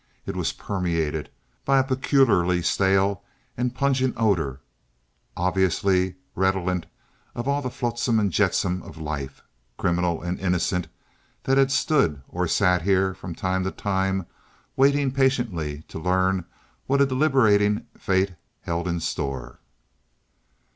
It was permeated by a peculiarly stale and pungent odor, obviously redolent of all the flotsam and jetsam of life—criminal and innocent—that had stood or sat in here from time to time, waiting patiently to learn what a deliberating fate held in store.